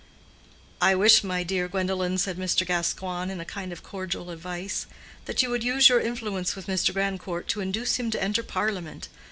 "I wish, my dear Gwendolen," said Mr. Gascoigne, in a kind of cordial advice, "that you would use your influence with Mr. Grandcourt to induce him to enter Parliament.